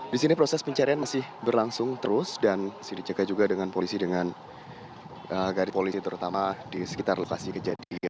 di sini proses pencarian masih berlangsung terus dan masih dicegah juga dengan polisi dengan garis polisi terutama di sekitar lokasi kejadian